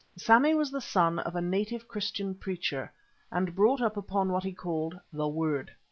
Sammy was the son of a native Christian preacher, and brought up upon what he called "The Word."